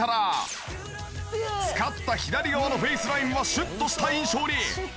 使った左側のフェイスラインはシュッとした印象に！